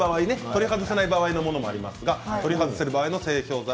取り外せない場合のものもありますが取り外せる場合の製氷皿